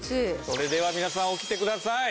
それでは皆さん起きてください。